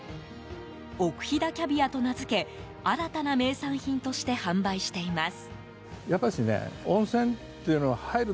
奥飛騨キャビアと名づけ新たな名産品として販売しています。